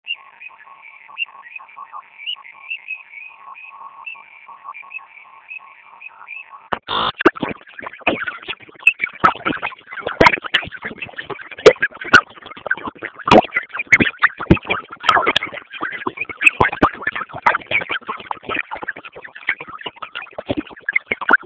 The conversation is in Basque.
Erabiltzen ditudan ordenagailu guztietan gehigarriak, banan-banan, neuk deskargatu behar.